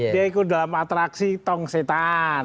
dia ikut dalam atraksi tong setan